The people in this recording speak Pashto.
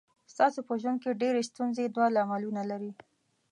ستاسو په ژوند کې ډېرې ستونزې دوه لاملونه لري.